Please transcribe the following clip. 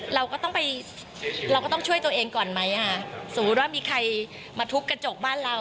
เราก็ต้องไปเราก็ต้องช่วยตัวเองก่อนไหมค่ะสมมุติว่ามีใครมาทุบกระจกบ้านเรา